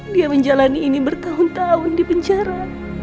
dia menjalani ini bertahun tahun di penjara